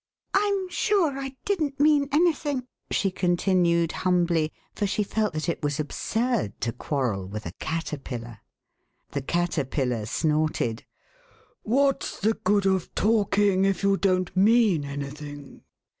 ^'I'm sure I didn't mean anything," she continued humbly, for she felt that it was absurd to quarrel with a caterpillar. The Caterpillar snorted. What's the good of talking if you don't mean anything